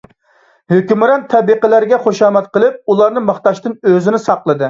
ھۆكۈمران تەبىقىلەرگە خۇشامەت قىلىپ، ئۇلارنى ماختاشتىن ئۆزىنى ساقلىدى.